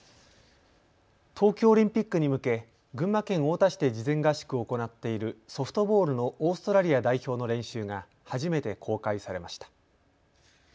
東京オリンピックに向け群馬県太田市で事前合宿を行っているソフトボールのオーストラリア代表の練習が初めて公開されました。